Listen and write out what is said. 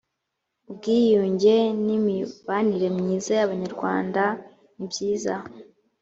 ubwiyunge n ‘imibanire myiza y ‘abanyarwandanibyiza.